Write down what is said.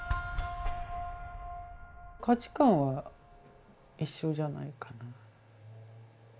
価値観は一緒じゃないかな。